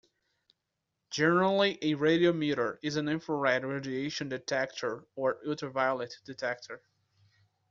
Generally, a radiometer is an infrared radiation detector or ultraviolet detector.